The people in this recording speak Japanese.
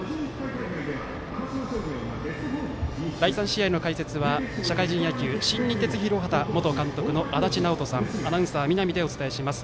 第３試合の解説は社会人野球、新日鉄広畑の元監督の足達尚人さんアナウンサー見浪でお伝えします。